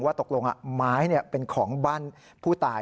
ตกลงไม้เป็นของบ้านผู้ตาย